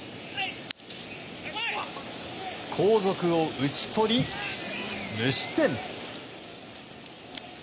後続を打ち取り、無失点。